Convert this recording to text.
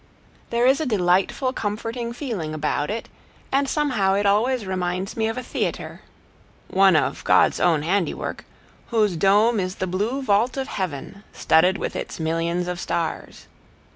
There is a delightful, comforting feeling about it, and somehow it always reminds me of a theater, one of God's own handiwork, whose dome is the blue vault of heaven, studded with its millions of stars.